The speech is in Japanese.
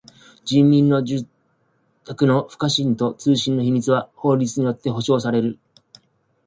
人民の住宅の不可侵と通信の秘密は法律によって保護される。